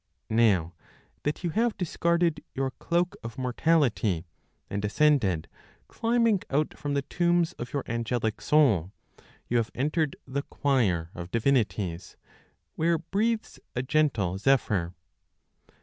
"Now that you have discarded your cloak of mortality, and ascended Climbing out from the tombs of your angelic soul, You have entered the choir of divinities, where breathes a gentle zephyr.